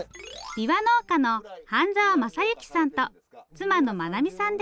びわ農家の榛沢仁之さんと妻の真奈美さんです。